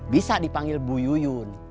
bisa dipanggil bu yuyun